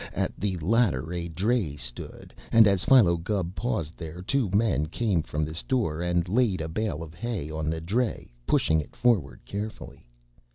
At the latter a dray stood, and as Philo Gubb paused there, two men came from this door and laid a bale of hay on the dray, pushing it forward carefully.